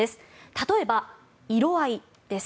例えば、色合いです。